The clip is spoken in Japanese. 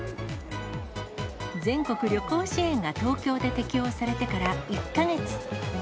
全国旅行支援が東京で適用されてから、１か月。